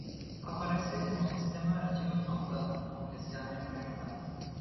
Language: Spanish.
Aparece como un sistema de archivos montado aunque usa memoria volátil.